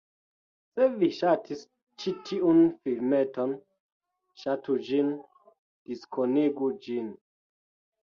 Se vi ŝatis ĉi tiun filmeton, Ŝatu ĝin, diskonigu ĝin